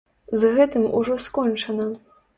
З гэтым ужо скончана!